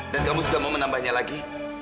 dan kamu sudah mau menambahnya lagi